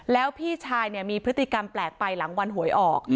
แล้วพี่ชายมีพฤติกรรมแปลกไปหลังวันหวยออก